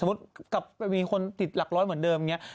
กลับไปมีคนติดหลักร้อยเหมือนเดิมอย่างนี้